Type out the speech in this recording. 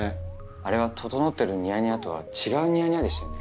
あれはととのってるニヤニヤとは違うニヤニヤでしたよね？